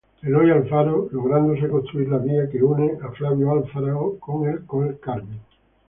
Eloy Alfaro lográndose construir la vía que une a Flavio Alfaro con el Carmen.